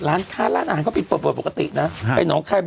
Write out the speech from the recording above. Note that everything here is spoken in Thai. ร้านค้าร้านอ่านเขาเปิดปกตินะ